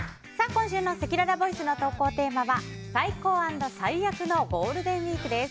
今週のせきららボイスの投稿テーマは最高＆最悪のゴールデンウィークです。